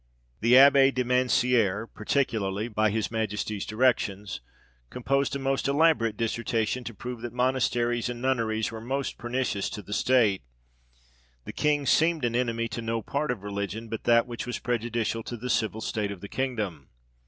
The Abbe de Mansiere, par ticularly, by his Majesty's directions, composed a most elaborate dissertation to prove that monasteries and nunneries were most pernicious to the state : the King seemed an enemy to no part of religion, but that which was prejudicial to the civil state of the kingdom.